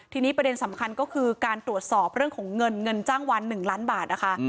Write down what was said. ทีนี้ประเด็นสำคัญก็คือการตรวจสอบเรื่องของเงินเงินจ้างวัน๑ล้านบาทนะคะ